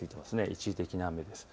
一時的な雨です。